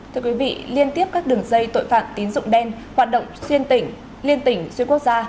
thưa quý vị liên tiếp các đường dây tội phạm tín dụng đen hoạt động xuyên tỉnh liên tỉnh xuyên quốc gia